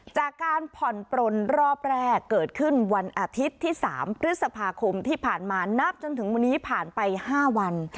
จากการผ่อนปลนรอบแรกเกิดขึ้นวันอาทิตย์ที่๓พฤษภาคมที่ผ่านมานับจนถึงวันนี้ผ่านไป๕วัน